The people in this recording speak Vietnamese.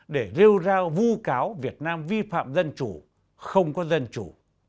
để rêu ra vu cáo việt nam vi phạm dân chủ không có dân chủ